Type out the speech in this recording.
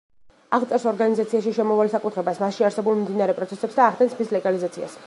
აღწერს ორგანიზაციაში შემავალ საკუთრებას, მასში არსებულ მიმდინარე პროცესებს და ახდენს მის ლეგალიზაციას.